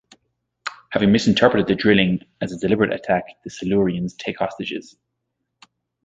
Having misinterpreted the drilling as a deliberate attack, the Silurians take hostages.